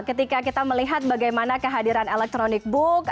ketika kita melihat bagaimana kehadiran electronic book